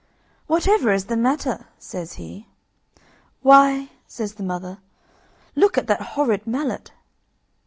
"Whatever is the matter?" says he. "Why," says the mother, "look at that horrid mallet.